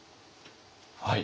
はい。